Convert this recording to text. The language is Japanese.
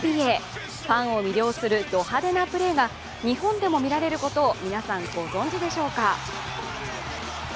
ファンを魅了するド派手なプレーが日本でも見られることを皆さん、ご存じでしょうか？